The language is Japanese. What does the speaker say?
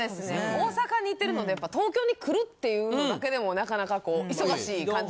大阪にいてるのでやっぱ東京に来るっていうのだけでも中々こう忙しい感じ。